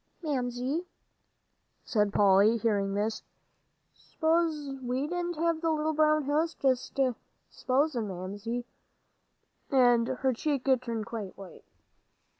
"Mamsie," said Polly, hearing this, "s'posin' we didn't have the little brown house; just s'posin', Mammy," and her cheek turned quite white.